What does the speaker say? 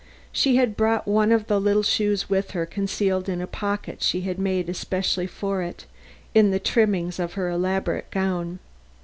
She had brought one of the little shoes with her, concealed in a pocket she had made especially for it in the trimmings of her elaborate gown.